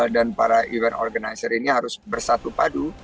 dan para event organizer ini harus bersatu padu